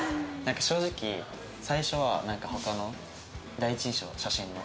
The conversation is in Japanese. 正直最初は他の第一印象写真の。